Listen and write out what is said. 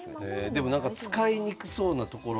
でもなんか使いにくそうなところ。